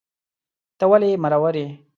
ته ولي مرور یې